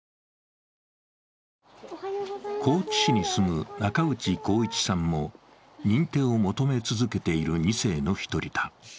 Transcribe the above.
高知市に住む中内孝一さんも認定を求め続けている２世の１人だ。